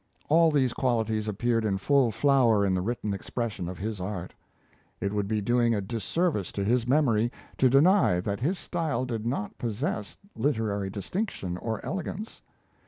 All these qualities appeared in full flower in the written expression of his art. It would be doing a disservice to his memory to deny that his style did not possess literary distinction or elegance.